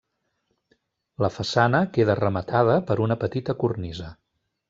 La façana queda rematada per una petita cornisa.